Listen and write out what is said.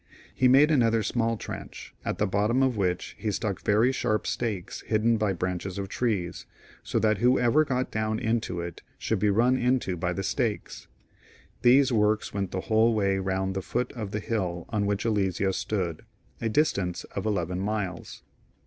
He made another small trench, at the bottom of which he stuck very sharp stakes hidden by branches of teees, so that whoever got down into it should be run into by the stakes. These works went the whole way round the foot of the liill on which Alesia stood, a distance of eleVen miles.